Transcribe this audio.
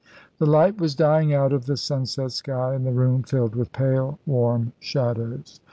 The light was dying out of the sunset sky, and the room filled with pale warm shadows.